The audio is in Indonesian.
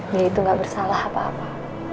dia itu gak bersalah apa apa